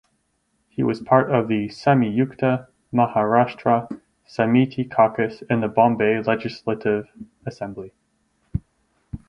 He was part of the Samyukta Maharashtra Samiti caucus in the Bombay Legislative Assembly.